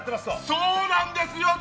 そうなんですよ！